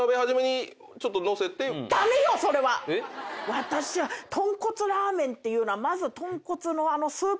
私はとんこつラーメンっていうのはまず。